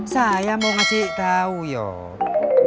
saya mau ngasih tahu yuk